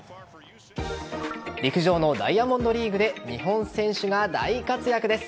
陸上のダイヤモンドリーグで日本選手が大活躍です。